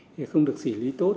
thì không được xỉ lý tốt